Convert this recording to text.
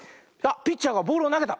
ピッチャーがボールをなげた。